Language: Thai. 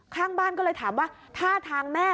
ข้างบ้านก็เลยถามว่าท่าทางแม่